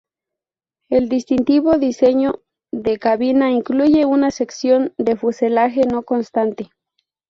El distintivo diseño de cabina incluye una sección de fuselaje no constante.